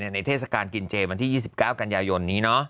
เทศกาลกินเจวันที่๒๙กันยายนนี้